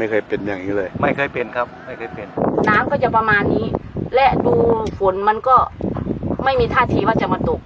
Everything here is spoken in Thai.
ไม่เคยเป็นครับไม่เคยเป็นน้ำก็จะประมาณนี้และดูฝนมันก็ไม่มีท่าทีว่าจะมาตก